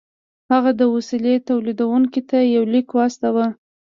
هغه د وسيلې توليدوونکي ته يو ليک واستاوه.